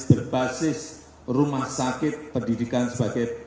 berbasis rumah sakit pendidikan sebagai